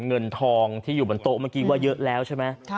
เงินทองที่อยู่บนโต๊ะเมื่อกี้ว่าเยอะแล้วใช่ไหม